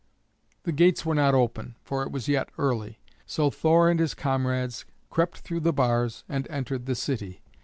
The gates were not open, for it was yet early; so Thor and his comrades crept through the bars, and entered the city.